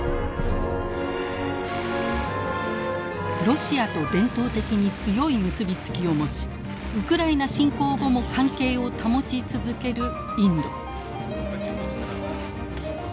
ロシアと伝統的に強い結び付きを持ちウクライナ侵攻後も関係を保ち続けるインド。